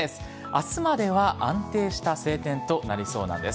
あすまでは安定した晴天となりそうなんです。